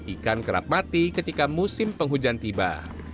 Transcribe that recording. ikan kerap mati ketika musim penghujan tiba